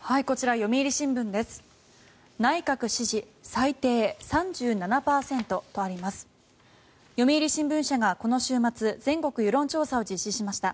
読売新聞社がこの週末全国世論調査を実施しました。